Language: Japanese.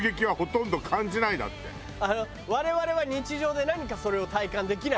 我々は日常で何かそれを体感できないの？